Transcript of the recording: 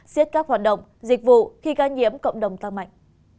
xiết các hoạt động dịch vụ khi ca nhiễm cộng đồng tăng mạnh